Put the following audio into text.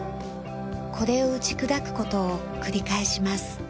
これを打ち砕く事を繰り返します。